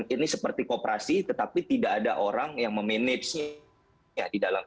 ini seperti kooperasi tetapi tidak ada orang yang memanagenya di dalam